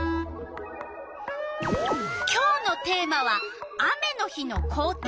今日のテーマは「雨の日の校庭」。